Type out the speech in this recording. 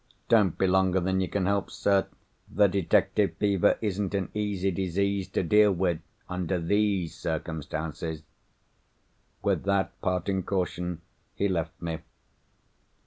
Don't be longer than you can help, sir. The detective fever isn't an easy disease to deal with, under these circumstances." With that parting caution, he left me.